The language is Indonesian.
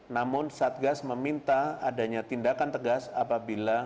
namun satgas meminta adanya tindakan tegas apabila